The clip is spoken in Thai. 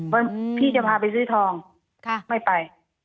พี่จะพาไปซื้อทองไม่ไป